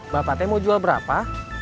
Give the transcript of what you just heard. bapak teh mau jual berapa